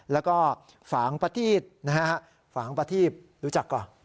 แล้วก็ฝางประทีบนะฮะฝางประทีปรู้จักก่อน